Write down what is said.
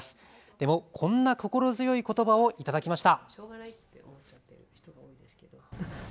でもこんな心強いことばを頂きました。